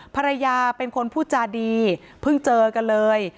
ภรรยาเป็นคนพูดจาดีเพิ่งเจอกันเลย